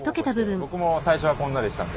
僕も最初はこんなでしたんで。